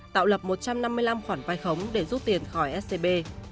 tạo lập một trăm năm mươi năm khoản vai khống để rút tiền khỏi scb